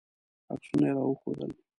عکسونه یې راوښودل.